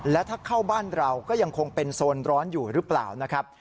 และถ้าเข้าบ้านเราก็ยังคงเป็นโซนร้อนอยู่หรือเปล่านะครับ